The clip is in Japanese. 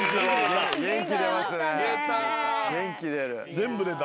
全部出た。